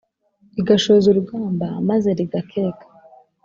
igashoza urugamba maze rigakeka